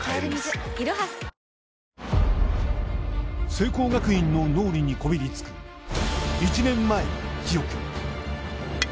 聖光学院の脳裏にこびりつく１年前の記憶。